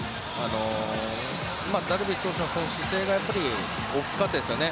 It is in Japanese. ダルビッシュ投手のその姿勢が大きかったですね。